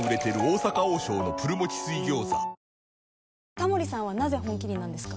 タモリさんはなぜ「本麒麟」なんですか？